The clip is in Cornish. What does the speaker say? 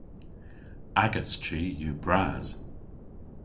Agas chi yw bras!